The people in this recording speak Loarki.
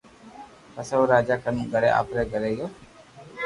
پسي او راجا ڪنو گھري آپري آوي گيو